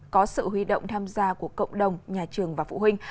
có sự huy động tham gia của cộng đồng nhà trường và phụ huynh